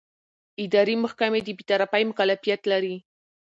اداري محکمې د بېطرفۍ مکلفیت لري.